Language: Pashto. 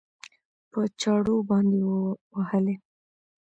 په چاړو باندې وهلى؟